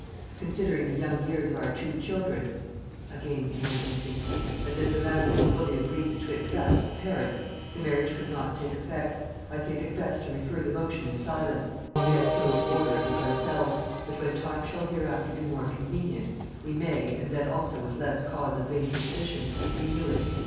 Considering the young years of our two children [word missing] as if the matter were fully agreed betwixt us, the parents, the marriage could not take effect, I think it best to refer the motion in silence, and yet so to order it with ourselves, that, when time shall hereafter be more convenient, we may, and then also with less cause of vain suspicion, renew it.